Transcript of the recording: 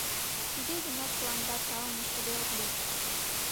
— Туге гынат тыланда таум ыштыде ок лий.